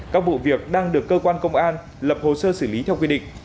các vụ việc đang được cơ quan công an lập hồ sơ xử lý theo quy định